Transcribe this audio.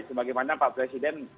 sebagaimana pak presiden